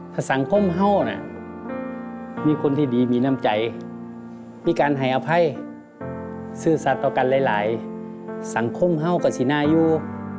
ถ้าสังคมเฮ่านะมีคนที่ดีมีน้ำใจมีการให้อภัยซื่อสัตว์ต่อกันหลายสังคมเฮ่ากับสินาอยู่